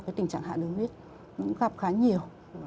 cái tình trạng hạ đường huyết cũng gặp khá nhiều